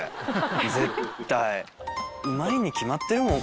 うまいに決まってるもん